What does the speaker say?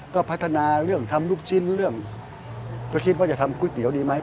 ก็พัฒนาเรื่องทำลูกชิ้นเรื่องก็คิดว่าจะทำก๋วยเตี๋ยวดีไหม